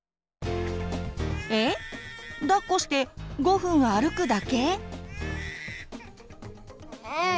えっ⁉だっこして５分歩くだけ？